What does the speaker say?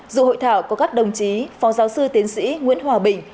dự hội thảo có các đồng chí phó giáo sư tiến sĩ nguyễn hòa bình